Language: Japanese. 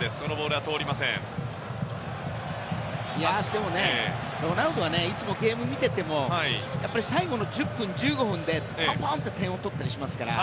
でも、ロナウドはいつもゲームを見ていても最後の１０分、１５分でポンポン点を取ったりするので。